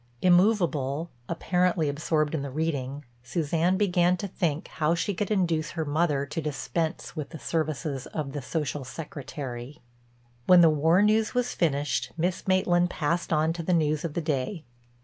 Immovable, apparently absorbed in the reading, Suzanne began to think how she could induce her mother to dispense with the services of the Social Secretary. When the war news was finished Miss Maitland passed on to the news of the day.